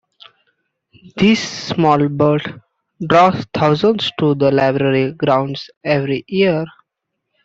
This small bird draws thousands to the library grounds every year.